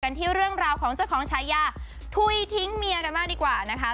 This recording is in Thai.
ที่เรื่องราวของเจ้าของชายาถุยทิ้งเมียกันมากดีกว่านะคะ